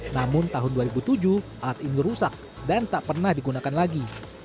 namun tahun dua ribu tujuh alat ini rusak dan tak pernah digunakan lagi